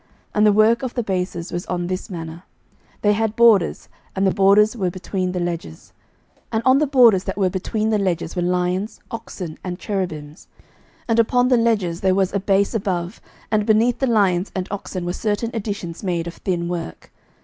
11:007:028 And the work of the bases was on this manner: they had borders, and the borders were between the ledges: 11:007:029 And on the borders that were between the ledges were lions, oxen, and cherubims: and upon the ledges there was a base above: and beneath the lions and oxen were certain additions made of thin work.